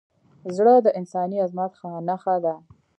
زړه د انساني عظمت نښه ده.